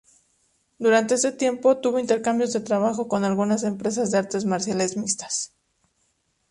Durante este tiempo, tuvo intercambios de trabajo con algunas empresas de artes marciales mixtas.